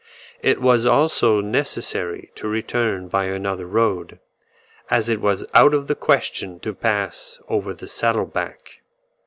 It was also necessary to return by another road, as it was out of the question to pass over the saddle back.